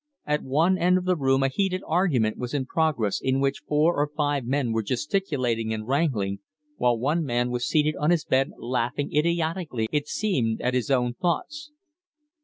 At one end of the room a heated argument was in progress in which four or five men were gesticulating and wrangling, while one man was seated on his bed laughing idiotically, it seemed, at his own thoughts.